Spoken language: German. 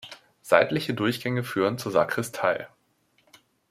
Seitliche Durchgänge führen zur Sakristei.